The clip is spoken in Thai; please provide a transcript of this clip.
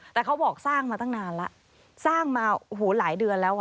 แต่เขาบอกสร้างมาตั้งนานแล้วสร้างมาโอ้โหหลายเดือนแล้วอ่ะ